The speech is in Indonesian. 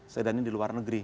sedannya di luar negeri